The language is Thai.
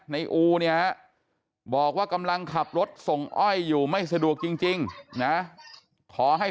อูเนี่ยบอกว่ากำลังขับรถส่งอ้อยอยู่ไม่สะดวกจริงนะขอให้